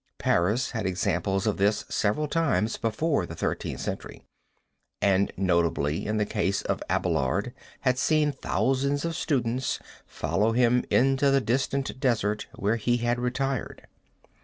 Paris had examples of this several times before the Thirteenth Century, and notably in the case of Abelard had seen thousands of students follow him into the distant desert where he had retired.